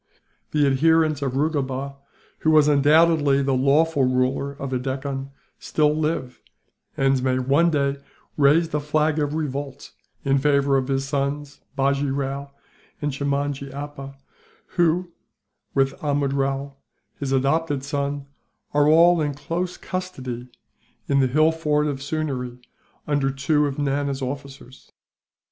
The adherents of Rugoba, who was undoubtedly the lawful ruler of the Deccan, still live; and may one day raise the flag of revolt, in favour of his sons Bajee Rao and Chimnajee Appa who, with Amrud Rao, his adopted son, are all in close custody in the hill fort of Sewneree, under two of Nana's officers.